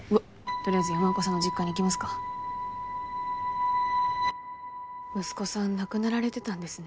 とりあえず山岡さんの実家に行きますか息子さん亡くなられてたんですね